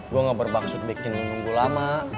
gue gak berpaksud bikin lo nunggu lama